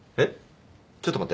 ちょっと待って。